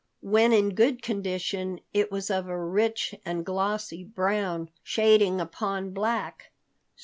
When in good condition, it was of a rich and glossy brown, shading upon black.